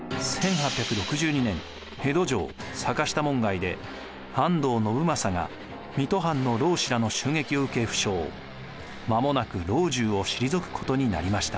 １８６２年江戸城坂下門外で安藤信正が水戸藩の浪士らの襲撃を受け負傷間もなく老中を退くことになりました。